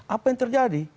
apa yang terjadi